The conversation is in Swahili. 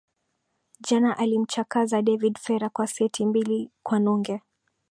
jana alimchakaza david fera kwa seti mbili kwa nunge